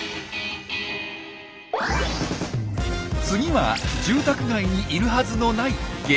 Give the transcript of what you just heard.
次は住宅街にいるはずのない激